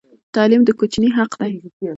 تعلیم د کوچني حق دی.